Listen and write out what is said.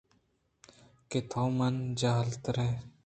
کہ تو منءَ جہل ترے